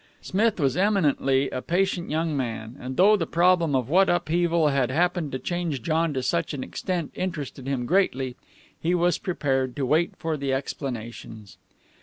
Smith was eminently a patient young man, and though the problem of what upheaval had happened to change John to such an extent interested him greatly, he was prepared to wait for explanations.